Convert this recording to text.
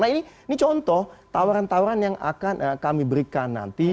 nah ini contoh tawaran tawaran yang akan kami berikan nanti